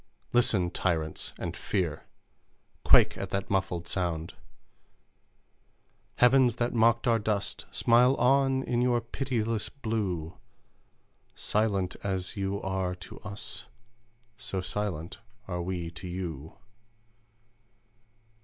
Listen, tyrants, and fear! Quake at that muffled sound "Heavens that mocked our dust, Smile on, in your pitiless blue! Silent as you are to us, So silent are we to you!